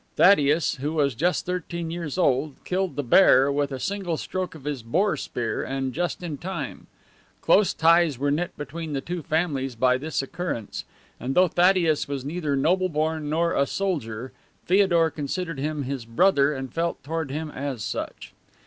Thaddeus, who was just thirteen years old, killed the bear with a single stroke of his boar spear, and just in time. Close ties were knit between the two families by this occurrence, and though Thaddeus was neither noble born nor a soldier, Feodor considered him his brother and felt toward him as such.